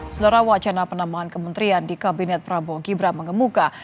selera wacana penambahan kementerian di kabinet prabowo gibran mengemuka